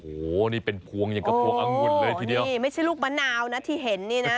โอ้โหนี่เป็นพวงอย่างกับพวงอังุ่นเลยทีเดียวนี่ไม่ใช่ลูกมะนาวนะที่เห็นนี่นะ